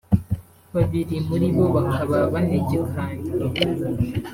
babiri muribo bakaba banegekanye